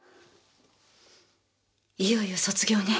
いよいよ卒業ね。